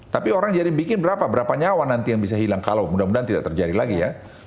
tapi orang jadi bikin berapa berapa nyawa nanti yang bisa hilang kalau mudah mudahan tidak terjadi lagi ya